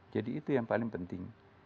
jadi itu yang paling penting